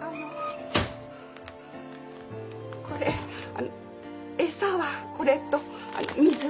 あのこれ餌はこれと水を。